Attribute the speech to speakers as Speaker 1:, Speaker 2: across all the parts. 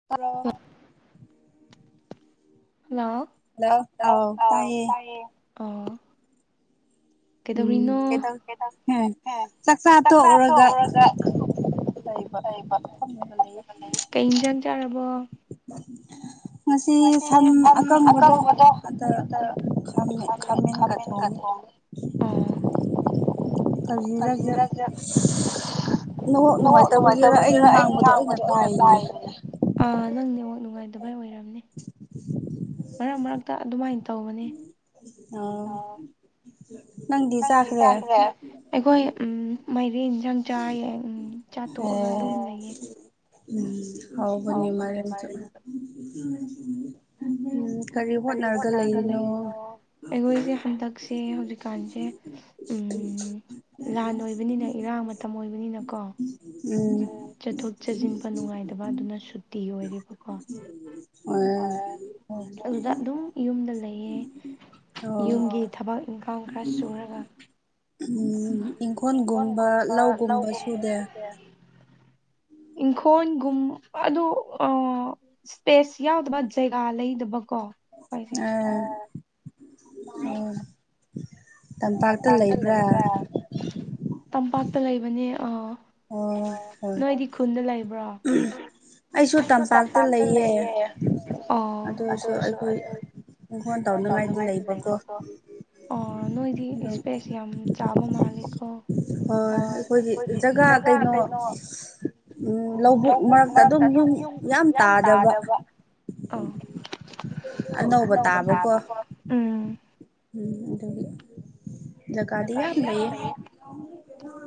Speaker 1: [unintelligible]
Speaker 2: hello ꯑ ꯀꯩꯗꯧꯔꯤꯅꯣ ꯆꯥꯛꯆꯥꯥ ꯇꯣꯛꯎꯔꯒ
Speaker 1: ꯂꯩꯕ ꯐꯝꯒ ꯂꯩꯌꯦ
Speaker 2: ꯀꯩ ꯏꯟꯖꯥꯡ ꯆꯥꯔꯕꯣ
Speaker 1: [unintelligible] ꯉꯁꯤ ꯁꯟ ꯑꯀꯪꯕꯗꯣ ꯑꯗ ꯈꯥꯃꯦꯟꯒ ꯊꯣꯡꯉꯤ
Speaker 2: ꯑꯗꯨꯖꯤꯔ ꯅꯦꯋꯥꯛ ꯅꯨꯡꯉꯥꯏꯇꯕꯒꯤꯔ ꯑꯩꯅ ꯉꯥꯡꯕꯗꯤ ꯑꯩꯅ ꯇꯥꯏꯅꯦ ꯅꯪ ꯅꯦꯋꯥꯛ ꯅꯨꯡꯉꯥꯏꯗꯨꯕꯥꯏ ꯑꯣꯏꯔꯕꯝꯅꯦ ꯃꯔꯛ ꯃꯔꯛꯇ ꯑꯗꯨꯃꯥꯏꯅ ꯇꯧꯕꯅꯤ
Speaker 1: ꯑ ꯅꯪ
Speaker 2: ꯅꯪꯗꯤ ꯆꯥꯈ꯭ꯔꯦ ꯑꯩꯈꯣꯏ ꯎꯝ ꯃꯥꯏꯔꯤ ꯏꯟꯁꯥꯡ ꯆꯥꯌꯦ ꯎꯝ
Speaker 1: ꯍ ꯎꯝ ꯍꯥꯎꯕꯅꯤꯃꯥ ꯆ ꯎꯝ ꯀꯔꯤ ꯍꯣꯠꯅꯔꯒ ꯂꯩꯔꯤꯅꯣ
Speaker 2: ꯍꯧꯖꯤꯀꯥꯟꯁꯦ ꯂꯥꯟ ꯑꯣꯏꯕꯅꯤꯅ ꯏꯔꯥꯡ ꯃꯇꯝ ꯑꯣꯏꯕꯅꯤꯅꯀꯣ
Speaker 1: ꯎꯝ
Speaker 2: ꯆꯠꯊꯣꯛ ꯆꯠꯁꯤꯟꯕ ꯅꯨꯡꯉꯥꯏꯗꯕ ꯑꯗꯨꯅ ꯁꯨꯇꯤ ꯑꯣꯏꯔꯤꯕꯀꯣ ꯑꯗꯨꯗ ꯑꯗꯨꯝ ꯌꯨꯝꯗ ꯂꯩꯌꯦ ꯌꯨꯝꯒꯤ ꯊꯕꯛ ꯏꯪꯈꯥꯡ ꯈꯔ ꯁꯨꯔꯒ
Speaker 1: ꯎꯝ
Speaker 2: ꯎꯝ ꯏꯪꯈꯣꯣꯟꯒꯨꯝꯕ ꯂꯧꯒꯨꯝꯕꯁꯨꯁꯦ ꯏꯪꯈꯣꯣꯟꯒꯨꯝ ꯑꯗꯨ ꯑ ꯏꯁꯄꯦꯁ ꯌꯥꯎꯗꯕ ꯖꯩꯒꯥ ꯂꯩꯗꯕꯀꯣ
Speaker 1: ꯑꯥ ꯎꯝ ꯇꯝꯄꯥꯛꯇ ꯂꯩꯕ꯭ꯔꯥ
Speaker 2: ꯇꯝꯄꯥꯛꯇ ꯂꯩꯕꯅꯦ ꯑꯥ ꯅꯣꯏꯗꯤ ꯈꯨꯟꯗ ꯂꯩꯕ꯭ꯔꯣ ꯑꯩꯁꯨ ꯇꯝꯄꯥꯛꯇ ꯂꯩꯌꯦ ꯎ ꯑꯗꯨꯁꯨ ꯑꯩꯈꯣꯏ ꯐꯣꯟ ꯇꯧꯅꯤꯡꯉꯥꯏꯗꯤ ꯂꯩꯕꯀꯣ ꯑꯣ ꯅꯣꯏꯗꯤ ꯏꯁꯄꯦꯁ ꯌꯥꯝ ꯆꯥꯕ ꯃꯥꯂꯦꯀꯣ ꯑꯩꯣꯏ ꯑꯗꯨꯗꯒ ꯀꯩꯅꯣ ꯎ ꯂꯧꯕꯨꯛ ꯃꯔꯛꯇ ꯑꯗꯨꯝ ꯌꯨꯝ ꯌꯥꯝ ꯇꯥꯗꯕ
Speaker 1: ꯑꯅꯧꯕ ꯇꯥꯕꯀꯣ ꯎꯝ ꯑꯗꯨ ꯂꯩꯗ ꯌꯥꯝ ꯂꯩ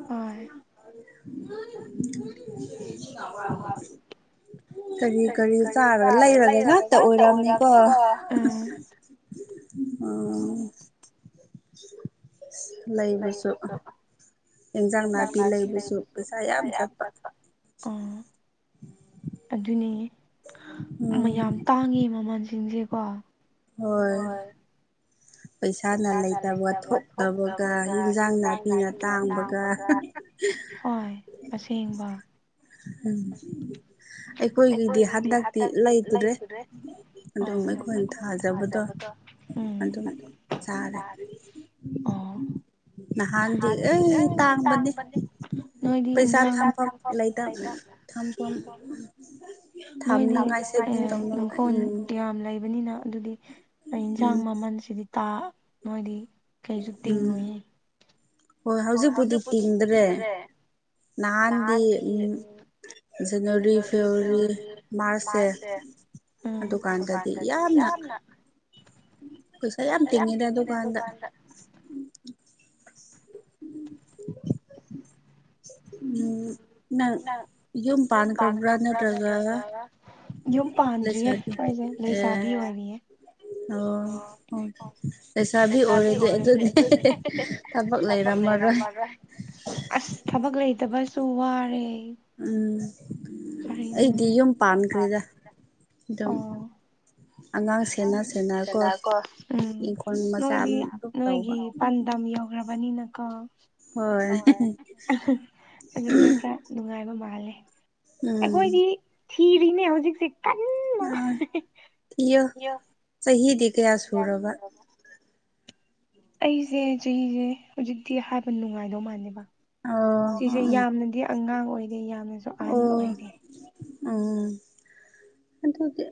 Speaker 2: ꯍꯣꯏ
Speaker 1: [unintelligible] ꯀꯔꯤ ꯀꯔꯤ ꯆꯥꯔꯒ ꯂꯩꯔꯒ ꯉꯥꯛꯇ ꯑꯣꯏꯔꯝꯅꯤꯀꯣ
Speaker 2: ꯎꯝ
Speaker 1: ꯎꯪ ꯂꯩꯕꯁꯨ ꯏꯟꯖꯥꯡ ꯅꯥꯄꯤ ꯂꯩꯕꯁꯨ ꯄꯩꯁꯥ ꯌꯥꯝ ꯆꯠꯄ
Speaker 2: ꯑꯥ ꯑꯗꯨꯅꯦ ꯌꯥꯝ ꯇꯥꯡꯉꯦ ꯃꯃꯜꯁꯤꯡꯁꯦꯀꯣ
Speaker 1: ꯍꯣꯏ
Speaker 2: ꯄꯩꯁꯥꯅ ꯂꯩꯇꯕ ꯊꯣꯛꯇꯕꯒ ꯍꯟꯖꯥꯡ ꯅꯥꯄꯤꯤꯅ ꯇꯥꯡꯕꯒ ꯍꯣꯏ ꯑꯁꯦꯡꯕ
Speaker 1: ꯎꯝ ꯑꯩꯈꯣꯏꯒꯤꯗꯤ ꯍꯟꯗꯛꯇꯤ ꯂꯩꯇ꯭ꯔꯦ ꯑꯗꯨꯝ ꯑꯩꯈꯣꯏꯅ ꯊꯥꯖꯕꯗꯣ ꯑꯗꯨꯝ ꯆꯥꯔꯦ ꯅ ꯍꯥꯟꯗꯤ ꯑꯦ ꯏ ꯇꯕꯅꯤ ꯄꯩꯁꯥ ꯊꯝꯐꯝ ꯂꯩꯇ ꯊꯝꯐꯝ
Speaker 2: ꯅꯣꯏꯗꯤ ꯏꯪꯈꯣꯜ ꯀꯌꯥꯝ ꯂꯩꯕꯅꯤꯅ ꯑꯗꯨꯗꯤ ꯌꯦꯟꯁꯥꯡ ꯃꯃꯜꯁꯤꯗꯤ ꯇꯥ ꯅꯣꯏꯗꯤ ꯀꯩꯁꯨ ꯇꯤꯡꯉꯨꯌꯦ
Speaker 1: ꯍꯣꯏ ꯍꯧꯖꯤꯛꯄꯨꯗꯤ ꯇꯤꯡꯗ꯭ꯔꯦ ꯅꯍꯥꯟꯗꯤ ꯎꯝ ꯖꯅꯋꯥꯔꯤ ꯐꯦꯕꯋꯥꯔꯤ ꯃꯥꯔꯁꯁꯦ ꯑꯗꯨꯀꯥꯟꯗꯗꯤ ꯌꯥꯝꯅ ꯀꯩꯁꯥꯏ ꯌꯥꯝ ꯇꯤꯡꯉꯦꯗ ꯗꯨꯀꯥꯟꯗ ꯎꯝ ꯅꯪ ꯌꯨꯝ ꯄꯥꯟꯈ꯭ꯔꯕ꯭ꯔꯥ ꯅꯠꯇ꯭ꯔꯒ ꯂꯩꯁꯥꯕꯤ ꯑꯦ ꯑꯣ ꯍ ꯂꯩꯁꯥꯕꯤ ꯑꯣꯏꯔꯗꯤ ꯑꯗꯨꯗꯤ ꯊꯕꯛ ꯂꯩꯔꯝꯃꯔꯣꯏ
Speaker 2: ꯑꯁ ꯊꯕꯛ ꯂꯩꯇꯕꯁꯨ ꯋꯥꯔꯦ
Speaker 1: ꯎꯝ ꯑꯩꯗꯤ ꯌꯨꯝ ꯄꯥꯟꯈ꯭ꯔꯦꯗ ꯑꯗꯨꯝ ꯑꯉꯥꯡ ꯁꯦꯟꯅ ꯁꯦꯟꯅ ꯀꯣ ꯏꯪꯈꯣꯜ ꯃꯆꯥ ꯑ ꯇꯧꯕ
Speaker 2: ꯄꯥꯟꯗꯝ ꯌꯧꯈ꯭ꯔꯕꯅꯤꯅꯀꯣ ꯍꯣꯏ ꯑꯗꯨꯁꯨ ꯀ ꯅꯨꯡꯉꯥꯏꯕ ꯃꯥꯜꯂꯦ ꯑꯩꯈꯣꯏꯗꯤ ꯊꯤꯔꯤꯅꯦ ꯍꯧꯖꯤꯛꯁꯦ ꯀꯟꯅ
Speaker 1: ꯏꯤꯌꯣ ꯆꯍꯤꯗꯤ ꯀꯌꯥ ꯁꯨꯔꯕ
Speaker 2: ꯑꯩꯁꯦ ꯆꯍꯤꯁꯦ ꯍꯧꯖꯤꯛꯇꯤ ꯍꯥꯏꯕ ꯅꯨꯡꯉꯥꯏꯗꯧ ꯃꯥꯜꯂꯕ ꯁꯤꯁꯦ ꯌꯥꯝꯅꯗꯤ ꯑꯉꯥꯡ ꯑꯣꯏꯔꯦ ꯌꯥꯝꯅꯁꯨ ꯑꯍꯥꯟꯕ ꯑꯣꯏꯗꯦ
Speaker 1: ꯎꯝ ꯑꯗꯨꯗꯤ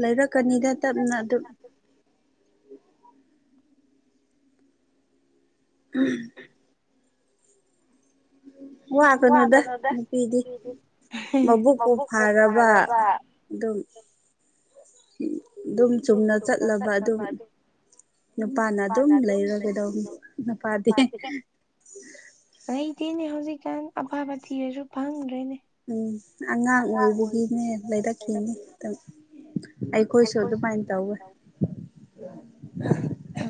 Speaker 1: ꯂꯩꯔꯛꯀꯅꯤꯗ ꯇꯞꯅ ꯑꯗꯨꯝ [unintelligible] ꯋꯥ ꯀꯩꯅꯣꯗ ꯅꯨꯄꯤꯗꯤ ꯃꯕꯨꯛꯄꯨ ꯐꯥꯔꯕ ꯑꯗꯨꯝ ꯑꯗꯨꯝ ꯆꯨꯝꯅ ꯆꯠꯂꯕ ꯑꯗꯨꯝ ꯅꯨꯄꯥꯅ ꯑꯗꯨꯝ ꯂꯩꯔꯒꯗ ꯅꯨꯄꯥꯗꯤ
Speaker 2: ꯂꯩꯇꯦꯅꯦ ꯍꯧꯖꯤꯛꯀꯥꯟ ꯑꯐꯕ ꯊꯤꯔꯁꯨ ꯐꯪꯗ꯭ꯔꯦꯅꯦ
Speaker 1: ꯎꯝ ꯑꯉꯥꯡ ꯑꯣꯏꯕꯒꯤꯅꯦ ꯂꯩꯔꯛꯈꯤꯅꯤꯝ ꯑꯩꯈꯣꯏꯁꯤ ꯑꯗꯨ ꯄꯥꯏ ꯇꯧ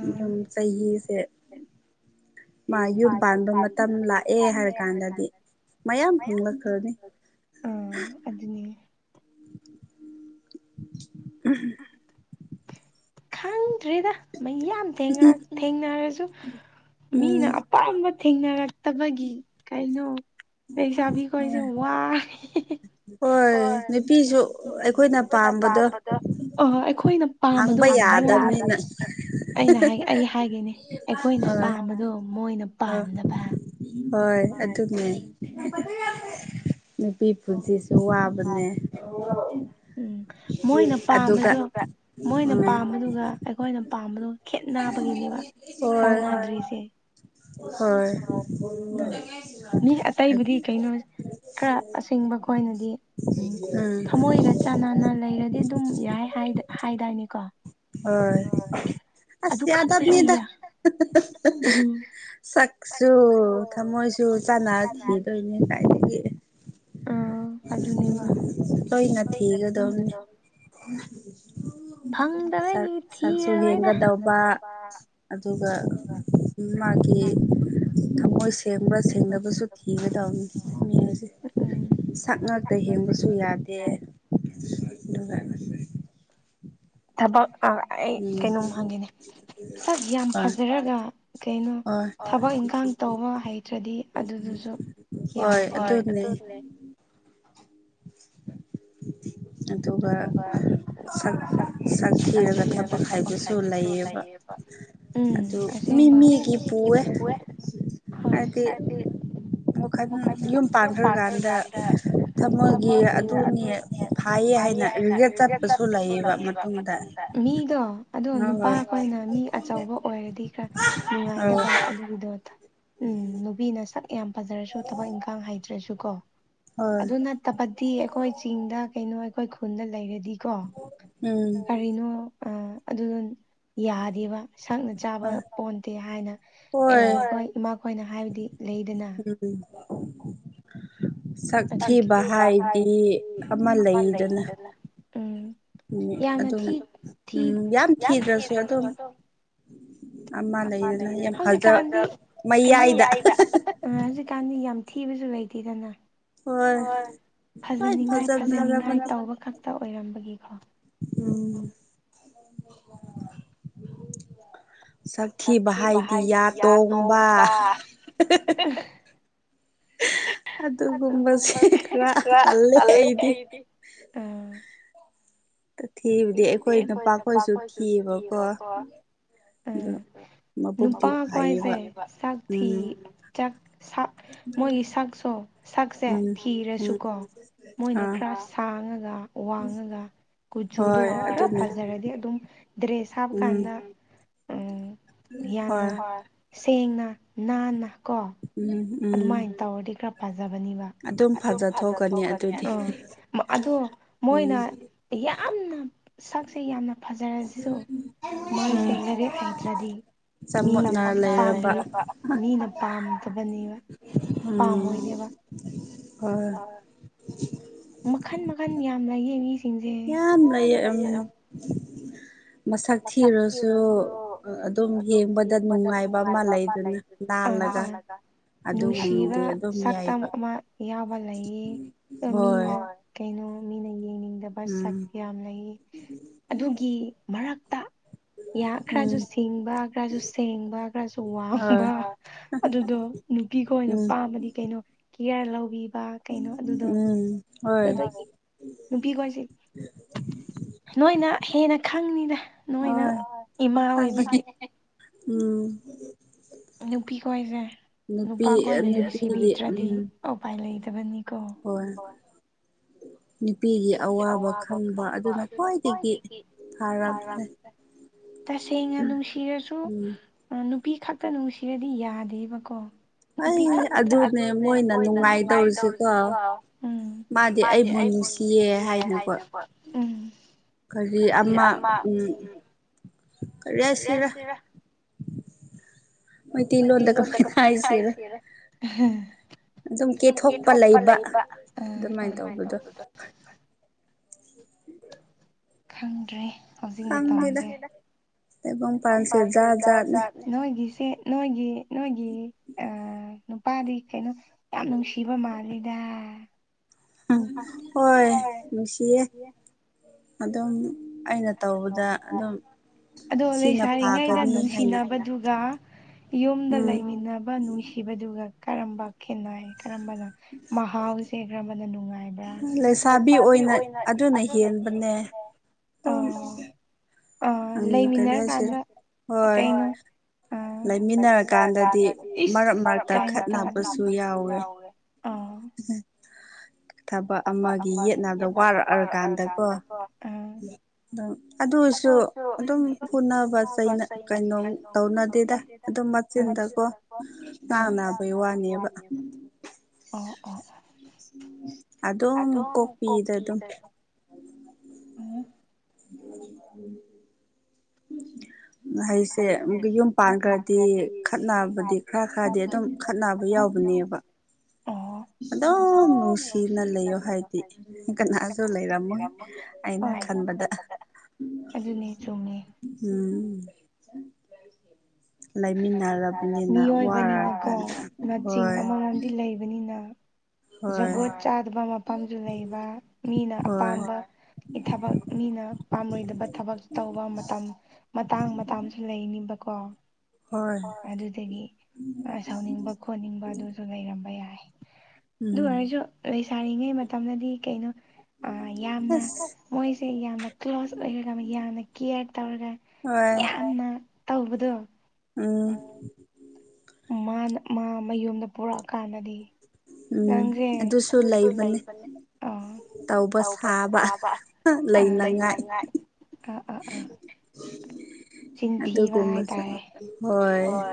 Speaker 1: ꯑꯗꯨꯝ ꯆꯍꯤꯁꯦ
Speaker 2: [unintelligible]
Speaker 1: ꯃꯥ ꯌꯨꯝ ꯄꯥꯟꯕ ꯃꯇꯝ ꯂꯥꯛꯑꯦ ꯍꯥꯏꯔꯀꯥꯟꯗꯗꯤ ꯃꯌꯥꯝ ꯐꯪꯂꯛꯈ꯭ꯔꯅꯤ
Speaker 2: ꯑ ꯑꯗꯨꯅꯤ
Speaker 1: [unintelligible]
Speaker 2: ꯈꯪꯗ꯭ꯔꯦꯗ ꯃꯩ ꯌꯥꯝ ꯊꯦꯡꯅꯔꯁꯨ ꯃꯤꯅ ꯑꯄꯥꯝꯕ ꯊꯦꯡꯅꯔꯛꯇꯕꯒꯤ ꯀꯩꯅꯣ ꯄꯩꯁꯥꯕꯤꯈꯁꯦ ꯋꯥꯦ
Speaker 1: ꯍꯣꯏ ꯅꯨꯄꯤꯁꯨ ꯑꯩꯈꯣꯏꯅ ꯄꯥꯝꯕꯗꯣ
Speaker 2: ꯑ ꯑꯩꯈꯣꯏꯅ ꯄꯥꯝꯕꯗꯣ ꯑꯩꯅ ꯑꯩ ꯍꯥꯏꯒꯅꯤ ꯑꯩꯈꯣꯏꯅ ꯄꯥꯝꯕꯗꯣ ꯃꯣꯏꯅ ꯄꯥꯝꯗꯕ
Speaker 1: ꯍꯣꯏ ꯑꯗꯨꯅꯦ ꯅꯨꯄꯤ ꯄꯨꯟꯁꯤꯁꯨ ꯋꯥꯕꯅꯦ ꯑꯗꯨ ꯑꯗꯨꯒ
Speaker 2: ꯑꯗꯨꯒꯗꯨ ꯑꯩꯈꯣꯏꯅ ꯄꯥꯝꯕꯗꯣ ꯈꯦꯠꯅꯕꯒꯤꯅꯦꯕ ꯆꯥꯟꯅꯗ꯭ꯔꯤꯁꯦ
Speaker 1: ꯍꯣꯏ
Speaker 2: ꯃꯤ ꯑꯇꯩꯕꯨꯗꯤ ꯀꯩꯅꯣ ꯈꯔ ꯑꯁꯦꯡꯕ ꯈꯣꯏꯅꯗꯤ ꯎꯝ ꯊꯃꯣꯏꯒ ꯆꯅꯅ ꯂꯩꯔꯗꯤ ꯑꯗꯨꯝ ꯌꯥꯏ ꯍꯥꯏꯗꯥꯏꯅꯤꯀꯣ
Speaker 1: ꯍꯣꯏ ꯑ ꯌꯥ ꯌꯥꯗꯕ ꯃꯤꯗ ꯆꯥꯛꯁꯨ ꯊꯃꯣꯏꯁꯨ ꯆꯥꯅ ꯊꯔ ꯂꯣꯏꯅꯦ ꯀꯥꯏꯗꯒꯤ ꯎꯝ ꯍ ꯉ ꯊꯤꯒꯗꯅꯤ
Speaker 2: ꯐꯪ
Speaker 1: ꯁꯛ ꯁꯛꯁꯨ ꯌ‌ꯦꯡꯒꯗꯧꯕ ꯑꯗꯨꯒ ꯃꯥꯒꯤ ꯊꯃꯣꯏꯁ ꯁꯦꯡꯕ꯭ꯔꯥ ꯁꯦꯡꯗꯕꯁꯨ ꯊꯤꯒꯗꯧꯅꯤ ꯃꯤ ꯍꯥꯁꯦ ꯁꯛ ꯉꯥꯛꯇ ꯍꯦꯡꯕꯁꯨ ꯌꯥꯗꯦ ꯑꯗꯨꯒ
Speaker 2: ꯊꯕꯛ ꯑꯥ ꯑꯩ ꯀꯩꯅꯣꯝ ꯍꯪꯒꯦꯅꯦ ꯁꯛ ꯌꯥꯝ ꯐꯖꯔꯒ ꯀꯩꯅꯣ ꯊꯕꯛ ꯏꯪꯈꯥꯡ ꯇꯧꯕ ꯍꯩꯇ꯭ꯔꯗꯤ ꯑꯗꯨꯗꯨꯁꯨ ꯌꯥꯔ‌ꯣꯏ ꯑꯗꯨꯅꯦ
Speaker 1: [unintelligible]
Speaker 2: [inaudible]
Speaker 1: ꯑꯗꯨꯒ ꯁꯛ ꯁꯛ ꯊꯤꯔꯒ ꯊꯕꯛ ꯍꯩꯕꯁꯨ ꯂꯩꯌ‌ꯦꯕ ꯑꯗꯨ ꯃꯤꯃꯤ
Speaker 2: ꯃꯤꯒꯤ ꯄꯨꯌ‌ꯦ ꯍ‌ꯣꯏ ꯍꯥꯏꯗꯤ [unintelligible] ꯌꯨꯝ ꯄꯥꯟꯈ꯭ꯔꯀꯥꯟꯗ ꯊꯝꯃꯒꯦ ꯑꯗꯨꯅꯤꯅꯦ ꯍꯥꯏꯌ‌ꯦ ꯍꯥꯏꯅ ꯔꯤꯒꯔ‌ꯦꯠ ꯆꯠꯄꯁꯨ ꯂꯩꯌ‌ꯦꯕ ꯃꯇꯨꯡꯗ ꯃꯤꯗꯣ ꯑꯗꯣ ꯅꯨꯄꯥꯈꯣꯏꯅ ꯃꯤ ꯆꯥꯎꯕ ꯑꯣꯏꯔꯗꯤ ꯈꯔ ꯅꯨꯡꯉꯥꯏꯗꯕ ꯑꯗꯨꯒꯤꯗꯣ ꯎꯝ ꯅꯨꯄꯤꯅ ꯁꯛ ꯌꯥꯝ ꯐꯖꯔꯁꯨ ꯊꯕꯛ ꯏꯪꯈꯥꯡ ꯍꯩꯇ꯭ꯔꯁꯨꯀꯣ ꯑꯗꯨ ꯅꯠ ꯇꯕꯗꯤ ꯑꯩꯈꯣꯏ ꯆꯤꯡꯗ ꯀꯩꯅꯣ ꯑꯩꯈꯣꯏ ꯈꯨꯟꯗ ꯂꯩꯔꯗꯤꯀꯣ
Speaker 1: ꯎꯝ
Speaker 2: ꯀꯔꯤꯅꯣ ꯑꯗꯨꯗ‌ꯣ ꯌꯥꯗꯦꯕ ꯁꯛꯅ ꯆꯥꯕ ꯄꯣꯟꯇꯦ ꯍꯥꯏꯅ ꯑꯦ ꯑꯩꯈꯣꯏ ꯏꯃꯥ ꯈꯣꯏꯅ ꯍꯥꯏꯕꯗꯤ ꯂꯩꯗꯅ
Speaker 1: ꯎꯝ ꯁꯛ ꯊꯤꯕ ꯍꯥꯏꯗꯤ ꯑꯃ ꯂꯩꯗꯅ
Speaker 2: ꯌꯥꯝꯅ ꯊꯤ ꯊꯤ ꯌꯥꯝ ꯊꯤꯗ꯭ꯔꯁꯨ ꯑꯗꯨꯝ ꯑꯃ ꯂꯩꯔꯗꯤ [unintelligible] ꯍꯧꯖꯤꯛꯀꯥꯟꯗꯤ ꯃꯌꯥꯏꯗ ꯀꯩꯅ‌ꯣ ꯑ ꯍꯧꯖꯤꯛꯀꯥꯟꯗꯤ ꯌꯥꯝ ꯊꯤꯕꯁꯨ ꯂꯩꯇꯦꯗꯅ ꯍ‌ꯣꯏ ꯐꯖꯅꯤꯡꯉꯥꯏ [unintelligible] ꯐꯖꯅꯤꯡꯉꯥꯏ ꯇꯧꯕ ꯈꯛꯇ ꯑꯣꯏꯔꯝꯕꯒꯤꯀꯣ
Speaker 1: ꯎꯝ ꯁꯛꯊꯤꯕ ꯍꯥꯏꯗꯤ ꯌꯥ ꯇꯣꯡꯕ
Speaker 2: ꯑꯗꯨꯒꯨꯝꯕ ꯁꯦ ꯈ꯭ꯔ ꯇꯜꯂꯦ ꯑꯩꯗꯤ ꯑꯥ
Speaker 1: ꯇ ꯊꯤꯕꯗꯤ ꯑꯩꯈꯣꯏ ꯅꯨꯄꯥꯈꯣꯏꯁꯨ ꯊꯤꯕꯀꯣ
Speaker 2: ꯑ ꯅꯨꯄꯥ ꯈ‌ꯣꯏꯁꯦ ꯁꯛ ꯊꯤ ꯆꯛ ꯁꯛ ꯃꯣꯏꯒꯤ ꯁꯛꯁ‌ꯣ ꯁꯛꯁꯦ ꯊꯤꯔꯁꯨꯀꯣ ꯃꯣꯏꯅ ꯈ꯭ꯔ ꯁꯥꯡꯉꯒ ꯋꯥꯡꯉꯒ ꯀꯨꯆꯨꯗꯣ ꯈꯔ ꯐꯖꯔꯗꯤ ꯑꯗꯨꯝ ꯗ꯭ꯔꯦꯁ ꯍꯥꯞꯄꯀꯥꯟꯗ ꯌꯥꯝꯅ ꯁꯦꯡꯅ ꯅꯥꯟꯅ ꯀꯣ ꯑꯗꯨꯃꯥꯏꯅ ꯇꯧꯔꯗꯤ ꯈꯔ ꯐꯖꯕꯅꯤꯕ ꯑꯗꯨꯝ ꯐꯖꯊꯣꯛꯀꯅꯤ ꯑꯗꯨꯗꯤ [unintelligible] ꯑꯗꯣ ꯃꯣꯏꯅ ꯌꯥꯝꯅ ꯁꯛꯁꯦ ꯌꯥꯝꯅ ꯐꯖꯔꯁꯨ ꯃꯣꯏꯁꯦ ꯂꯩꯔꯤꯛ ꯍꯩꯇ꯭ꯔꯗꯤ ꯃꯤꯅ ꯄꯥꯝꯕꯤ [unintelligible] ꯃꯤꯅ ꯄꯥꯝꯗꯕꯅꯦꯕ
Speaker 1: ꯎꯝ ꯍꯣꯏ
Speaker 2: ꯃꯈꯟ ꯃꯈꯟ ꯌꯥꯝꯅ ꯂꯩꯌ‌ꯦ ꯃꯤꯁ
Speaker 1: ꯌꯥꯝ ꯂꯩꯌꯦ ꯎꯝ ꯃꯁꯛ ꯊꯤꯔꯁꯨ ꯑꯗꯨꯝ ꯌꯦꯡꯕꯗ ꯅꯨꯡꯉꯥꯏꯕ ꯑꯃ ꯂꯩꯗꯅ
Speaker 2: ꯑ ꯑꯥ ꯅꯨꯡꯁꯤꯕ ꯁꯛꯇꯝ ꯑꯃ ꯌꯥꯎꯕ ꯂꯩꯌꯦ ꯃꯤꯅ ꯀꯩꯅꯣ ꯃꯤꯅ ꯌꯦꯡꯅꯤꯡꯗꯕ ꯁꯛ ꯌꯥꯝ ꯂꯩꯌ‌ꯦ ꯑꯗꯨꯒꯤ ꯃꯔꯛ ꯌꯥ ꯈꯔꯁꯨ ꯁꯤꯡꯕ ꯈꯔꯁꯨ ꯁꯦꯡꯕ ꯈꯔꯁꯨ ꯋꯥꯡꯕ ꯑꯗꯨꯗꯣ ꯅꯨꯄꯤ ꯈ‌ꯣꯏꯅ ꯄꯥꯝꯃꯗꯤ ꯀꯩꯅꯣ ꯀꯦꯌꯔ ꯂꯧꯕꯤ
Speaker 1: ꯎꯝ
Speaker 2: ꯇ ꯅꯨꯄꯤ ꯀꯣꯏꯁꯤ ꯅꯣꯏꯅ ꯍꯦꯟꯅ ꯈꯪꯅꯤꯗ ꯅꯣꯏꯅ ꯏꯃꯥ ꯑꯣꯏꯕꯒꯤ
Speaker 1: ꯎꯝ
Speaker 2: ꯅꯨꯄꯤꯈꯣꯏꯁꯦ ꯅꯨꯄꯥ ꯈꯣꯏꯅ ꯅꯨꯡꯁꯤꯕꯤꯗ꯭ꯔꯗꯤ ꯎꯄꯥꯏ ꯂꯩꯇꯕꯅꯤꯀꯣ
Speaker 1: ꯍꯣꯏ
Speaker 2: [inaudible]
Speaker 1: ꯅꯨꯄꯤꯒꯤ ꯑꯋꯥꯕ ꯈꯪꯕ ꯑꯗꯨꯅ ꯈ꯭ꯋꯥꯏꯗꯒꯤ ꯐꯥꯔꯝꯃꯦ
Speaker 2: ꯇꯁꯦꯡꯅ ꯅꯨꯡꯁꯤꯔꯁꯨ ꯅꯨꯄꯤ ꯈꯛꯇ ꯅꯨꯡꯁꯤꯔꯗꯤ ꯌꯥꯗꯦꯕꯀꯣ ꯅꯨ ꯑꯗꯨꯅꯦ ꯃꯣꯏꯅ ꯅꯨꯡꯉꯥꯏ ꯇꯧꯔꯤꯨꯁꯀꯣ
Speaker 1: ꯃꯥꯗꯤ ꯑꯩꯕꯨ ꯅꯨꯡꯁꯤꯌꯦ ꯍꯥꯏꯅꯀꯣ
Speaker 2: ꯎꯝ
Speaker 1: ꯀꯔꯤ ꯑꯃ ꯎꯝ ꯀꯔꯤ ꯍꯥꯏꯁꯤꯔ
Speaker 2: ꯑꯣꯏ ꯏꯂꯣꯗ ꯀꯥꯏ ꯍꯥꯏꯥꯏꯁꯤꯔꯦ ꯁꯨꯝ ꯀꯦꯊꯣꯛꯄ ꯂꯩꯕ ꯎ ꯑꯗꯨꯃꯥꯏꯅ ꯇꯧꯕꯗꯣ ꯈꯪꯗ꯭ꯔꯦ ꯍꯧꯖꯤꯛ ꯃꯇꯝꯁꯦꯣꯡꯝꯄꯥꯛꯥꯁꯦ ꯖꯥꯠ ꯖꯥꯠ ꯅꯣꯏꯒꯤꯁꯦ ꯅꯣꯏꯒꯤ ꯅꯣꯏꯒꯤ ꯑ ꯅꯨꯄꯥꯗꯤ ꯀꯩꯅꯣ ꯌꯥꯝ ꯅꯨꯡꯁꯤꯕ ꯃꯥꯜꯂꯤꯗ
Speaker 1: ꯍꯣꯏ ꯅꯨꯡꯁꯤꯦ ꯑꯗꯨꯝ ꯑꯩꯅ ꯇꯧꯕꯗ ꯑꯗꯨꯝ
Speaker 2: ꯑꯗꯣ ꯂꯩꯁꯔꯤꯉꯩꯗ ꯅꯨꯡꯁꯤꯅꯕꯗꯨꯒ ꯌꯨꯝꯗ ꯂꯩꯃꯤꯟꯅꯕ ꯅꯨꯡꯁꯤꯕꯗꯨꯒ ꯀꯔꯝꯕ ꯈꯦꯠꯅꯩ ꯀꯔꯝꯕꯅ ꯃꯍꯥꯎꯁꯦ ꯀꯔꯝꯕꯅ ꯅꯨꯡꯉꯥꯏ
Speaker 1: ꯂꯩꯁꯥꯕꯤ ꯑꯣꯏꯅ ꯑꯗꯨꯅ ꯍꯦꯟꯕꯅꯦ ꯑꯗꯨꯝ ꯑ ꯀꯔꯤꯁꯦꯔ ꯍꯣꯏ ꯂꯩꯃꯤꯟꯅꯔꯀꯥꯟꯗꯗꯤ ꯃꯔꯛ ꯃꯔꯛꯇ ꯈꯠꯅꯕꯁꯨ ꯌꯥꯎꯋꯦ ꯎꯝ ꯊꯕꯛ ꯑꯃꯒꯤ ꯌꯦꯠꯅꯕꯗ ꯋꯥꯔꯛꯑꯔꯀꯥꯟꯗꯀꯣ ꯑꯗꯨꯝ ꯑꯗꯨꯁꯨ ꯑꯗꯨꯝ ꯐꯨꯅꯕ ꯆꯩ ꯀꯩꯅꯣ ꯇꯧꯅ ꯑꯗꯨ ꯑꯗꯨꯗ ꯑꯗꯨꯝ ꯃꯛꯆꯤꯟꯗꯀꯣ ꯉꯥꯡ ꯅꯥꯕꯩ ꯋꯥꯅꯦꯕ
Speaker 2: ꯑꯣ ꯑꯣ
Speaker 1: ꯑꯗꯨꯝ ꯀꯣꯛꯄꯤꯗ ꯑꯗꯨꯝ
Speaker 2: ꯑ
Speaker 1: [unintelligible] ꯍꯩꯁꯦ ꯌꯨꯝ ꯄꯥꯟꯈ꯭ꯔꯗꯤ ꯈꯠꯅꯕꯗꯤ ꯈꯔ ꯈꯔꯗꯤ ꯑꯗꯨꯝ ꯈꯠꯅꯕ ꯌꯥꯎꯕꯅꯦꯕ
Speaker 2: ꯑ
Speaker 1: ꯑꯗꯨꯝ ꯅꯨꯡꯁꯤꯅ ꯂꯩꯌꯣ ꯍꯥꯏꯗꯤ ꯀꯅꯥꯁꯨ ꯂꯩꯔꯝꯃꯣꯏ
Speaker 2: ꯍꯣꯏ ꯈ ꯑꯗꯨꯅꯤ ꯆꯨꯝꯉ
Speaker 1: ꯎꯝ ꯂꯩꯃꯤꯟꯅꯔꯕꯅꯤꯅ ꯋꯥꯔꯀꯅ ꯍꯣꯏ
Speaker 2: ꯑꯗꯨꯕꯅꯤꯅ ꯖꯒꯣꯠ ꯆꯥꯗꯕ ꯃꯐꯝꯁꯨ ꯂꯩꯕ ꯃꯤꯅ ꯑꯄꯥꯝꯕ ꯏ ꯊꯕꯛ ꯃꯤꯅ ꯄꯥꯝꯂꯣꯏꯗꯕ ꯊꯕꯛ ꯇꯧꯕ ꯃꯇꯝ ꯃꯇꯥꯡ ꯃꯇꯥꯡꯁꯨ ꯂꯩꯅꯤꯕꯀꯣ ꯍ ꯑꯗꯨꯗꯒꯤ ꯁꯥꯎꯅꯤꯡꯕ ꯈꯣꯠꯅꯤꯡꯕ ꯑꯗꯨꯁꯨ ꯂꯩꯔꯝꯕ ꯌꯥꯏ ꯑꯗꯨ ꯑꯣꯏꯔꯁꯨ ꯂꯩꯁꯥꯔꯤꯉꯩ ꯃꯇꯝꯗꯗꯤ ꯀꯩꯅꯣ ꯑ ꯌꯥꯝꯅ ꯃꯣꯏꯁꯦ ꯌꯥꯝꯅ ꯀ꯭ꯂꯣꯁ ꯑꯣꯏꯔꯒ ꯌꯥꯝꯅ ꯀꯦꯌꯔ ꯇꯧꯔꯒ
Speaker 1: ꯍꯣꯏ
Speaker 2: ꯇꯧꯕꯗꯣ
Speaker 1: ꯎꯝ
Speaker 2: ꯃꯥꯅ ꯃꯥ ꯃꯌꯨꯝꯗ ꯄꯨꯔꯛꯑꯀꯥꯟꯗꯗꯤ ꯅꯪꯦ ꯑꯗꯨꯁꯨꯂꯕꯟꯅꯦ ꯑ ꯎ ꯇꯧꯕ ꯁꯥꯕ ꯂꯩꯅꯉꯥꯏ ꯎꯝ ꯎꯝ ꯎꯝ ꯆꯤꯟꯊꯤꯕ ꯍꯥꯏꯇꯥꯔꯦ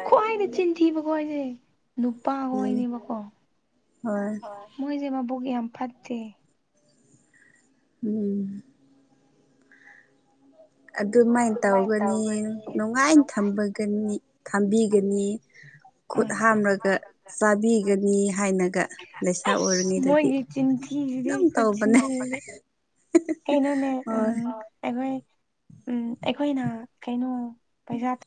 Speaker 2: ꯈ꯭ꯋꯥꯏꯗ ꯆꯤꯟꯊꯤꯕꯀꯣ ꯍꯥꯏꯁꯦ
Speaker 1: ꯎꯝ ꯍꯣꯏ
Speaker 2: ꯃꯣꯏꯁꯨ ꯃꯥ ꯒ ꯌꯥꯝ ꯐꯠ ꯗꯦ
Speaker 1: ꯎꯝ ꯑꯗꯨꯃꯥꯏꯅ ꯇꯧꯒꯅꯤ ꯅꯨꯡꯉꯥꯏꯅ ꯊꯒꯅꯤ ꯊꯝꯕꯤꯒꯅꯤ ꯈꯨꯠ ꯍꯥꯝꯂꯒ ꯆꯥꯕꯤꯒꯅꯤ ꯍꯥꯏꯅꯒ ꯂꯩꯁꯥ ꯑꯣꯏꯔꯅꯤꯗ
Speaker 2: ꯃꯣꯏꯒꯤ ꯆꯤꯟꯊꯤꯗꯤ ꯈꯨ ꯆꯤꯟꯊꯤ ꯀꯩꯅꯣꯅꯦ ꯎꯝ ꯑꯩꯈꯣꯏ ꯎꯝ ꯑꯩꯈꯣꯏꯅ ꯀꯩꯅꯣ ꯄꯩꯁꯥ